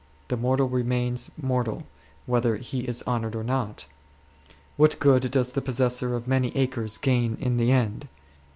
The mortal remains mortal whether he is honoured or not. What good does the possessor of many acres gain in the end